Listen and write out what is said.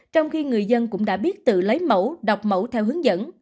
trong khi người dân cũng đã biết tự lấy mẫu đọc mẫu theo hướng dẫn